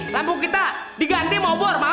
lampu kita diganti mau bor ma o